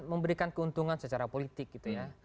memberikan keuntungan secara politik gitu ya